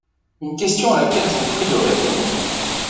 Une question à laquelle je vous prie de répondre